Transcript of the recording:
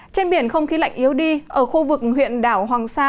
trên biển không khí lạnh yếu đi ở khu vực huyện đảo hoàng sa